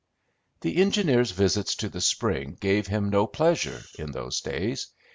The engineer's visits to the spring gave him no pleasure, in those days.